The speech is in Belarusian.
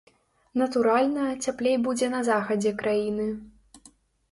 Натуральна, цяплей будзе на захадзе краіны.